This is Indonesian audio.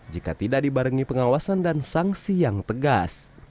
jika tidak dibarengi pengawasan dan sanksi yang tegas